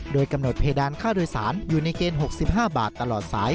โดยกำหนดเพดานค่าโดยสารอยู่ในเกณฑ์๖๕บาทตลอดสาย